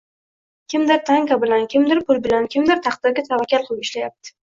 Kimdir tanka bilan, kimdir pul bilan, kimdir taqdirga tavakkal qilib ishlayapti.